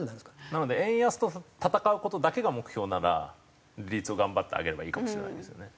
なので円安と闘う事だけが目標なら利率を頑張って上げればいいかもしれないですよね。